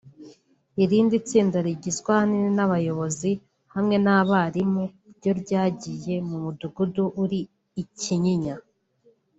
Irindi tsinda rigizwe ahanini n’abayobozi hamwe n’abarimu ryo ryagiye mu mudugudu uri i Kinyinya